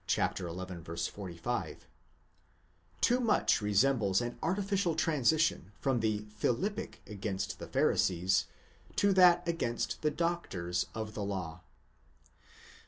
45), too much resembles an artificial transition from the philippic against the Pharisees, to that against the doctors of the law."